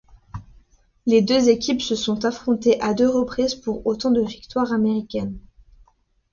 Les deux équipes se sont affrontées à deux reprises pour autant de victoires américaines.